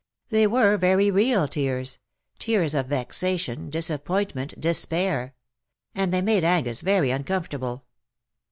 They were very real tears — tears of vexation, disap pointment, despair; and they made Angus very uncomfortable.